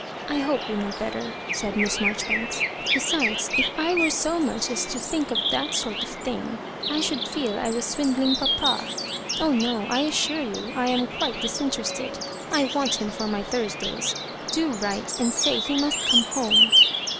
I hope we know better," said Miss Marjori banks; besides, if I were so much as to think of that sort of thing I should feel I was swin dling papa. Oh no ; I assure you I am quite dis interested. I want him for my Thursday's. Do write, and say he must come home."